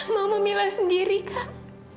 mama mila sendiri kak